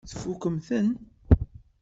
Tfukkemt-ten?